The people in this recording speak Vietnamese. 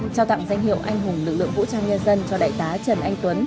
trao tặng danh hiệu anh hùng lực lượng vũ trang nhân dân cho đại tá trần anh tuấn